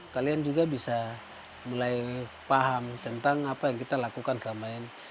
kalian juga bisa mulai paham tentang apa yang kita lakukan selama ini